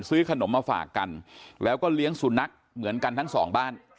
ซื้อขนมมาฝากกันแล้วก็เลี้ยงสุนัขเหมือนกันทั้งสองบ้าน